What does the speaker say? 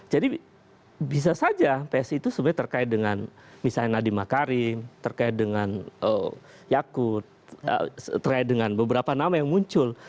jadi bisa saja psi itu sebenarnya terkait dengan misalnya nadiem makarim terkait dengan yakut terkait dengan beberapa nama yang muncul